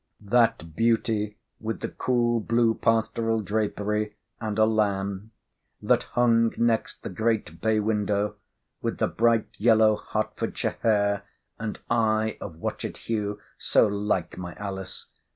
That Beauty with the cool blue pastoral drapery, and a lamb—that hung next the great bay window—with the bright yellow H——shire hair, and eye of watchet hue—so like my Alice!